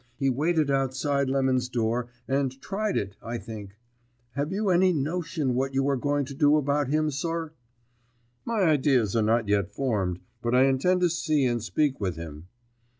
He waited outside Lemon's door, and tried it, I think. Have you any notion what you are going to do about him, sir?" "My ideas are not yet formed, but I intend to see and speak with him."